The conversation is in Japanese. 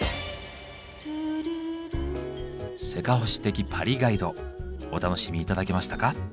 せかほし的パリガイド。お楽しみ頂けましたか？